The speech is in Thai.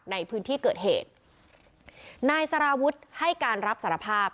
ในพื้นที่เกิดเหตุนายสารวุฒิให้การรับสารภาพ